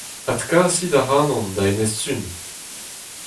Adkasit ac'hanon da Enez-Sun !